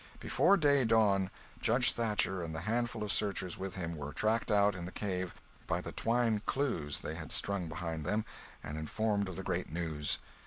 Before day dawn, Judge Thatcher and the handful of searchers with him were tracked out, in the cave, by the twine clews they had strung behind them, and informed of the great news.